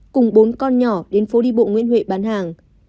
cùng bốn con nhỏ đến phố đi bộ nguyễn huệ bán hàng